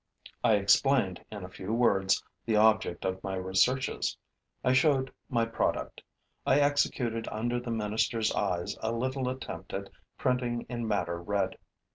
I explained, in a few words, the object of my researches; I showed my product; I executed under the minister's eyes a little attempt at printing in madder red.